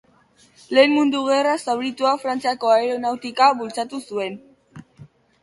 Lehen Mundu Gerran zauritua, Frantziako aeronautika bultzatu zuen.